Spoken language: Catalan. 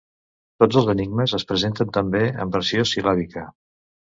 Tots els enigmes es presenten també en versió sil·làbica.